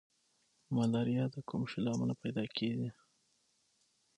ملاریا د کوم شي له امله پیدا کیږي